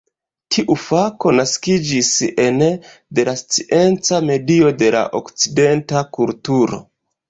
Tiu fako naskiĝis ene de la scienca medio de la okcidenta kulturo.